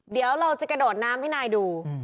เดี๋ยวเราจะกระโดดน้ำให้นายดู